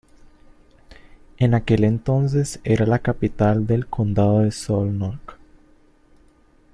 En aquel entonces era la capital del condado de Szolnok.